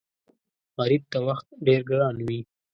غریب ته وخت ډېر ګران وي